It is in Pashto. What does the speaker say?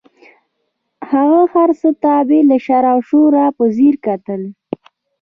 هغه هر څه ته بې له شر او شوره په ځیر کتل.